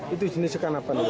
itu jenis ikan apa